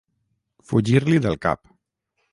Fugir-li del cap.